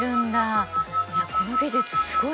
いやこの技術すごいね！